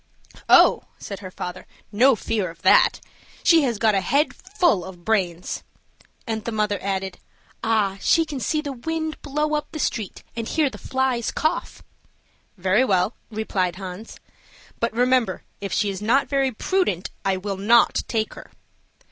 "Oh," said her father, "no fear of that! she has got a head full of brains;" and the mother added, "ah, she can see the wind blow up the street, and hear the flies cough!" "Very well," replied Hans; "but remember, if she is not very prudent, I will not take her."